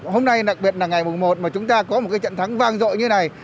hôm nay đặc biệt là ngày một mà chúng ta có một cái trận thắng vang dội như này